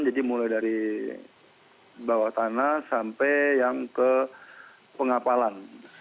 jadi mulai dari bawah tanah sampai yang ke pengapalan